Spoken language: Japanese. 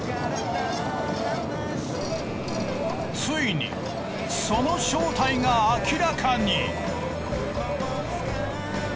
ついにその正体が明らかに！